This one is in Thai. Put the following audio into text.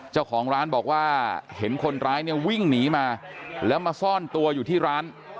เจ้าของร้านบอกว่าเห็นคนร้ายเนี่ยวิ่งหนีมาแล้วมาซ่อนตัวอยู่ที่ร้าน